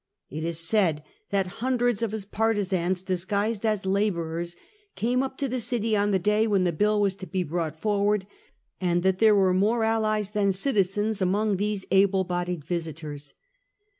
It is said that hundreds of his partisans, disguised as labourers, came up to the city on the day when the Bill was to be brought forward, and that there were more allies than citizens among these able bodied visitors.